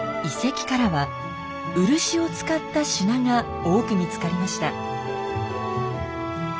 遺跡からは漆を使った品が多く見つかりました。